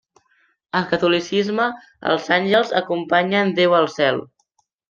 Al catolicisme els àngels acompanyen Déu al cel.